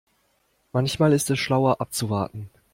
Manchmal ist es schlauer abzuwarten.